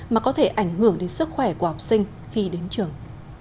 mà có thể ảnh hưởng đến sức khỏe của học sinh khi đến trường